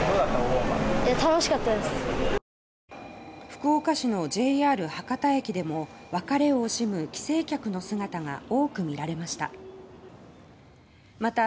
福岡市のＪＲ博多駅でも別れを惜しむ帰省客の姿が多く見られました。